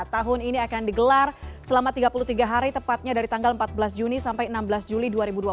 tahun ini akan digelar selama tiga puluh tiga hari tepatnya dari tanggal empat belas juni sampai enam belas juli dua ribu dua puluh